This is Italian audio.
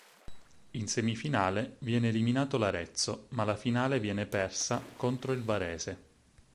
In semifinale viene eliminato l'Arezzo, ma la finale viene persa contro il Varese.